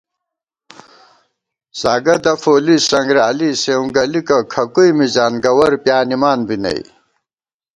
ساگہ دفولی سنگرالی سېوں گَلِکہ کھکُوئی مِزان گوَرپیانِمان بی نئ